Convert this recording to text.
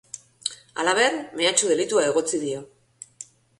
Halaber, mehatxu delitua egotzi dio.